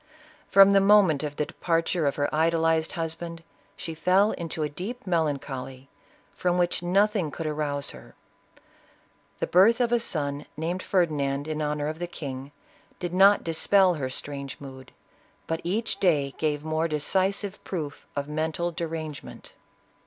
From the moment of the departure of her idolized husband, she fell into a deep melancholy, from which nothing could arouse her. The birth of a son, named Ferdinand in honor of the kirtg, did not dispel her strange mood, but each day gave more decisive proof of mental derangement.